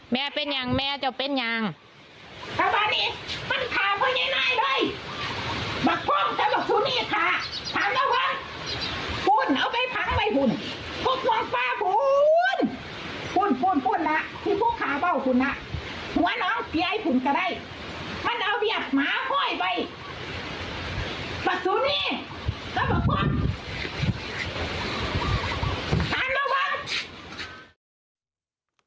มันเอาเเบียบหมาพ่อยไปประสุนี่แล้วบอกว่าทางร่วม